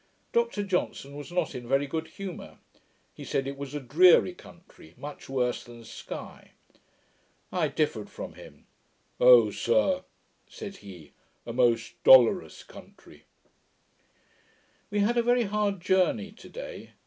Dr Johnson was not in very good humour. He said, it was a dreary country, much worse than Sky. I differed from him, 'O, sir,' said he, 'a most dolorous country!' We had a very hard journey to day.